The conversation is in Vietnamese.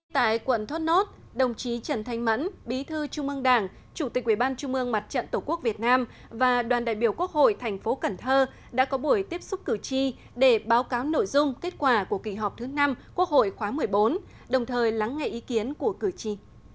tại quận thốt nốt đồng chí trần thanh mẫn bí thư trung ương đảng chủ tịch quỹ ban trung ương mặt trận tổ quốc việt nam và đoàn đại biểu quốc hội thành phố cần thơ đã có buổi tiếp xúc cử tri để báo cáo nội dung kết quả của kỳ họp thứ năm quốc hội khóa một mươi bốn đồng thời lắng nghe ý kiến của cử tri